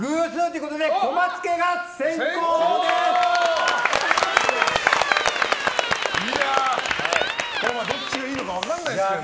これはどっちがいいのか分かんないですけどね。